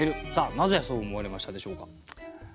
なぜそう思われましたでしょうか？